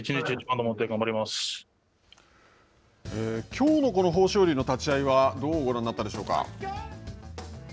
きょうの豊昇龍の立ち合いはどうご覧になったでしょうか。